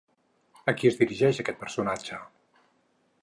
A qui es dirigeix aquest personatge?